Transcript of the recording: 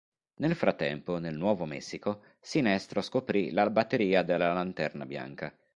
Nel frattempo, nel Nuovo Messico, Sinestro scoprì la batteria della Lanterna Bianca.